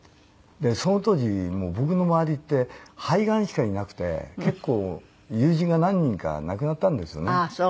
でその当時もう僕の周りって肺がんしかいなくて結構友人が何人か亡くなったんですよね。